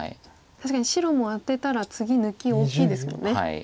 確かに白もアテたら次抜き大きいですもんね。